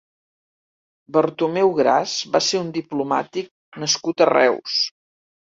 Bartomeu Gras va ser un diplomàtic nascut a Reus.